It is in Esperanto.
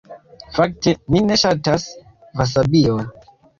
Fakte, mi ne ŝatas vasabion.